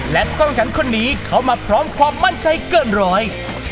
และกล้องขันคนนี้เขามาพร้อมความมั่นใจเกินร้อย